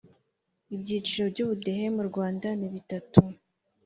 ibyiciro byubudehe mu rwanda ni bitatu